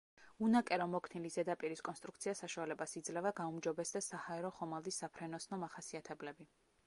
უნაკერო მოქნილი ზედაპირის კონსტრუქცია საშუალებას იძლევა გაუმჯობესდეს საჰაერო ხომალდის საფრენოსნო მახასიათებლები.